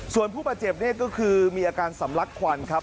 ส่วนผู้บาดเจ็บนี่ก็คือมีอาการสำลักควันครับ